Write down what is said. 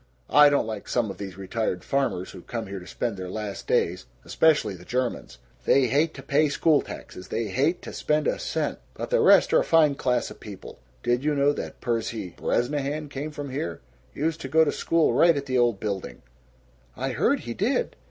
I don't like some of these retired farmers who come here to spend their last days especially the Germans. They hate to pay school taxes. They hate to spend a cent. But the rest are a fine class of people. Did you know that Percy Bresnahan came from here? Used to go to school right at the old building!" "I heard he did."